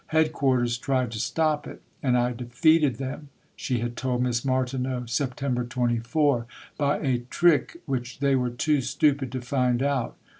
Headquarters tried to stop it. "And I defeated them," she had told Miss Martineau (Sept. 24), "by a trick which they were too stupid to find out."